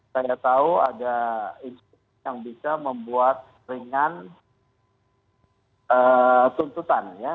saya tahu ada instruksi yang bisa membuat ringan tuntutan ya